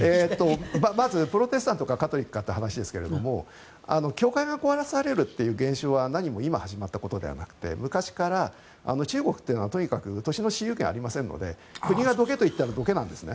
まずプロテスタントかカトリックかって話ですが教会が壊されるという現象は何も今始まったことではなくて昔から、中国というのはとにかく土地の私有権がありませんので国がどけと言ったらどけなんです。